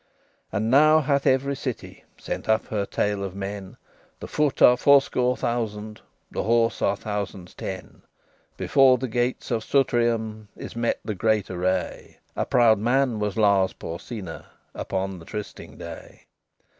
XI And now hath every city Sent up her tale of men; The foot are fourscore thousand, The horse are thousands ten. Before the gates of Sutrium Is met the great array. A proud man was Lars Porsena Upon the trysting day.